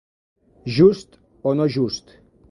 Just o no just.